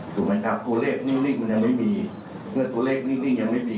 ถูกไหมครับตัวเลขนิ่งมันยังไม่มีเมื่อตัวเลขนิ่งยังไม่มี